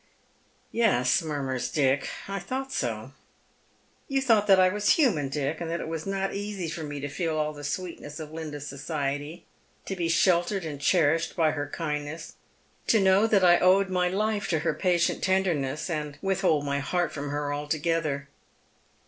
"Yes," murmurs Dick, " I thought so," " You thought that I was human, Dick, and that it was not easy for me to feel all the sweetness of Linda's society — to be sheltered and cherished by her kindness — to know that I owed my life to her patient tenderness, and withhold my heart from her altogether.